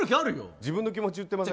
自分の気持ち言ってません？